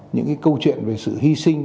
những câu chuyện về sự hy sinh